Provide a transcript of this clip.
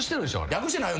略してないよ。